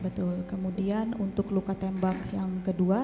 betul kemudian untuk luka tembak yang kedua